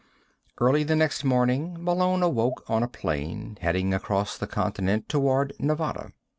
_ II Early the next morning, Malone awoke on a plane, heading across the continent toward Nevada.